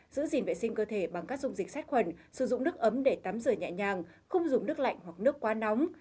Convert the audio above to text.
giữ gìn vệ sinh cơ thể bằng các dung dịch sát khuẩn sử dụng nước ấm để tắm rửa nhẹ nhàng không dùng nước lạnh hoặc nước quá nóng